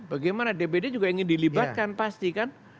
bagaimana dpd juga ingin dilibatkan pasti kan